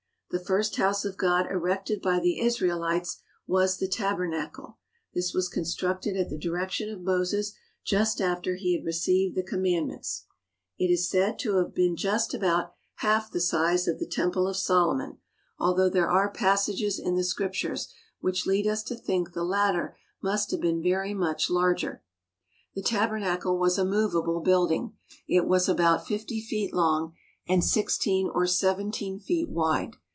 The first house of God erected by the Israelites was the Tabernacle. This was constructed at the direction of Moses just after he had received the Commandments. It is said to have been 65 THE HOLY LAND AND SYRIA just about half the size of the Temple of Solomon, al though there are passages in the Scriptures which lead us to think the latter must have been very much larger. The Tabernacle was a movable building. It was about fifty feet long and sixteen or seventeen feet wide.